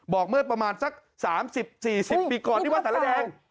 เมื่อประมาณสัก๓๐๔๐ปีก่อนที่วัดสารแดง